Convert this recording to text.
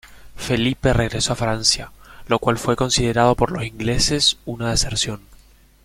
Felipe regresó a Francia, lo cual fue considerado por los ingleses una deserción.